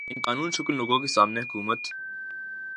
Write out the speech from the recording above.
ان قانوں شکن لوگوں کے سامنے حکومت